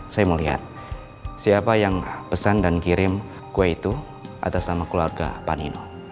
saya mau lihat siapa yang pesan dan kirim kue itu atas nama keluarga panino